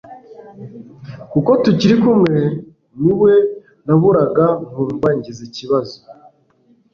kuko tukiri kumwe niwe naburaga nkumva ngize ikibazo